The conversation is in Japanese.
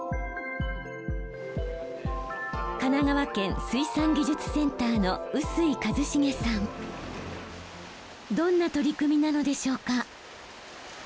神奈川県水産技術センターのどんな取り組みなのでしょうか？